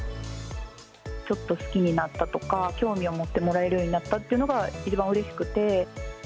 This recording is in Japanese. ちょっと好きになったとか、興味を持ってもらえるようになったっていうのが一番うれしくて。